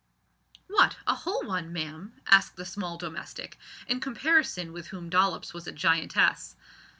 "What! a whole one, ma'am?" asked the small domestic in comparison with whom Dollops was a giantess.